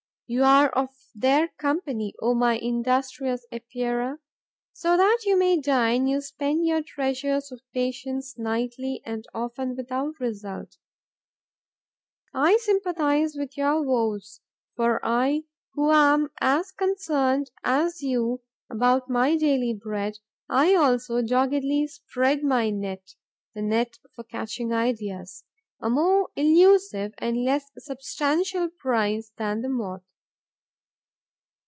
You are of their company, O my industrious Epeirae! So that you may dine, you spend your treasures of patience nightly; and often without result. I sympathize with your woes, for I, who am as concerned as you about my daily bread, I also doggedly spread my net, the net for catching ideas, a more elusive and less substantial prize than the Moth.